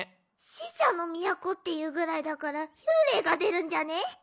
死者の都っていうぐらいだから幽霊が出るんじゃね？